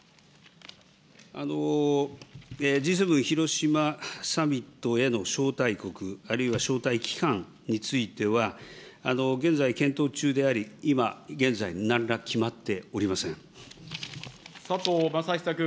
Ｇ７広島サミットへの招待国、あるいは招待機関については、現在、検討中であり、今現在、佐藤正久君。